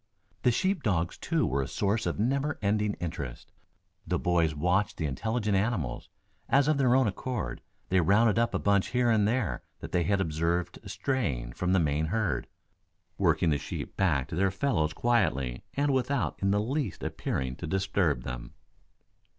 The sheep dogs, too, were a source of never ending interest. The boys watched the intelligent animals, as of their own accord they rounded up a bunch here and there that they had observed straying from the main herd, working the sheep back to their fellows quietly and without in the least appearing to disturb them.